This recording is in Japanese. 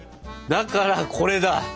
だからこれだ！